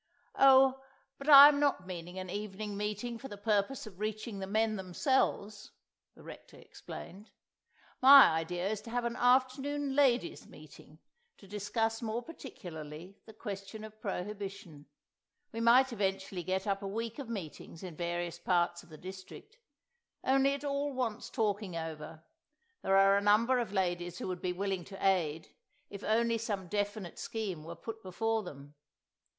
"Oh, but I am not meaning an evening meeting for the purpose of reaching the men themselves," the Rector explained. "My idea is to have an afternoon Ladies' Meeting to discuss more particularly the question of prohibition. We might eventually get up a week of meetings in various parts of the district. Only it all wants talking over. There are a number of ladies who would be willing to aid, if only some definite scheme were put before them.